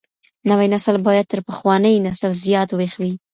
نوی نسل بايد تر پخواني نسل زيات ويښ وي.